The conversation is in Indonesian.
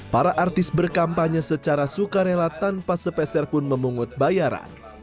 para artis berkampanye secara sukarela tanpa sepeser pun memungut bayaran